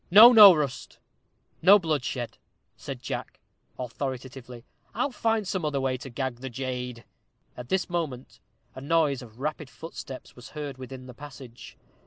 "No, no, Rust; no bloodshed," said Jack, authoritatively; "I'll find some other way to gag the jade." At this moment a noise of rapid footsteps was heard within the passage.